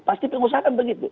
pasti pengusaha kan begitu